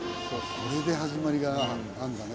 これで始まりがあんだね